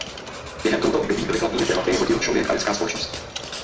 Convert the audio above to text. Během tohoto období byly hlavními tématy jeho děl člověk a lidská společnost.